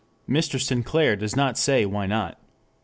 Mr. Sinclair does not say why not.